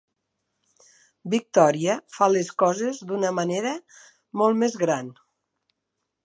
Victoria fa les coses d'una manera molt més gran.